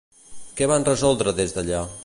Què van resoldre des d'allà?